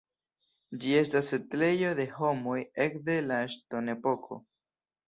Ĝi estas setlejo de homoj ekde la Ŝtonepoko.